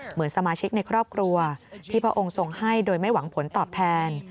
เหมือนสมาชิกในครอบครัวที่พระองค์ทรงให้โดยไม่หวังผลตอบแทน